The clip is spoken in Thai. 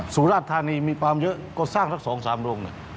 สูราชธานีมีปลามเยอะก็สร้างสองสามโรงหนึ่ง